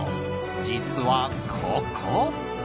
実はここ。